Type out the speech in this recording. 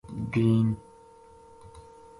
دین